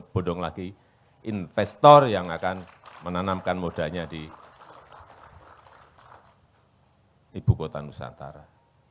akan lebih berbodong bodong lagi investor yang akan menanamkan modanya di buku kota nusantara